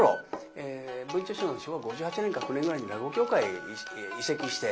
文朝師匠が昭和５８年か５９年ぐらいに落語協会へ移籍して。